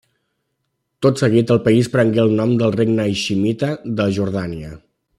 Tot seguit el país prengué el nom de Regne haiximita de Jordània.